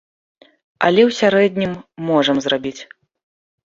Але ў сярэднім можам зрабіць.